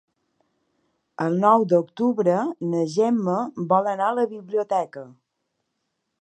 El nou d'octubre na Gemma vol anar a la biblioteca.